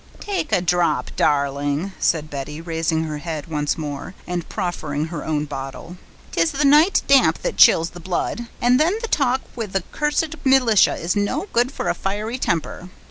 "Take a drop, darling," said Betty, raising her head once more, and proffering her own bottle. "'Tis the night damp that chills the blood—and then the talk with the cursed militia is no good for a fiery temper.